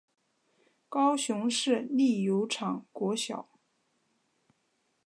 高雄市立油厂国小